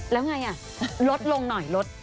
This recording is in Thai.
แล้วไงลดลงหน่อยลด